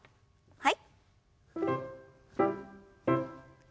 はい。